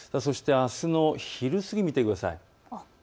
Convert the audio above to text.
あすの昼過ぎを見てください。